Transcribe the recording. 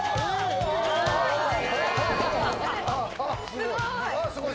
すごーい！